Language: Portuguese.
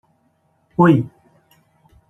Oi.